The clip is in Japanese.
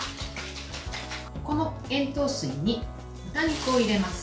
この塩糖水に豚肉を入れます。